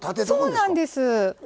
そうなんです。